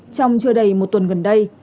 trong chưa đầy một tuần gần đây